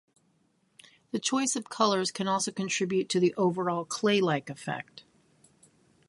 The choice of colors can also contribute to the overall clay-like effect.